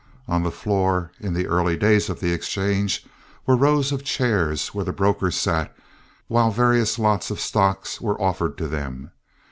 On the floor, in the early days of the exchange, were rows of chairs where the brokers sat while various lots of stocks were offered to them.